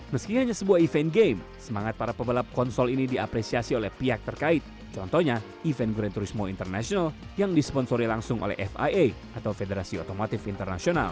meski hanya sebuah event game semangat para pebalap konsol ini diapresiasi oleh pihak terkait contohnya event grand turismo international yang disponsori langsung oleh fia atau federasi otomotif internasional